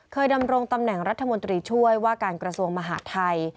ดำรงตำแหน่งรัฐมนตรีช่วยว่าการกระทรวงมหาดไทย